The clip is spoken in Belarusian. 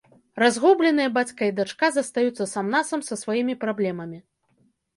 Разгубленыя бацька і дачка застаюцца сам-насам са сваімі праблемамі.